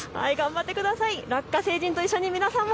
頑張ってください。